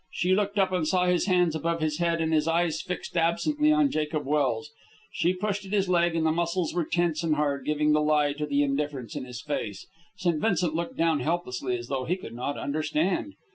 She looked up and saw his hands above his head and his eyes fixed absently on Jacob Welse. She pushed at his leg, and the muscles were tense and hard, giving the lie to the indifference on his face. St. Vincent looked down helplessly, as though he could not understand.